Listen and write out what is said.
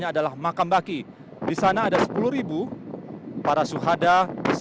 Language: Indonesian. jemaah yang berjalan